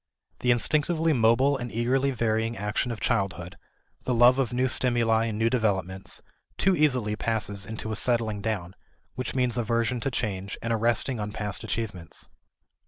The instinctively mobile and eagerly varying action of childhood, the love of new stimuli and new developments, too easily passes into a "settling down," which means aversion to change and a resting on past achievements.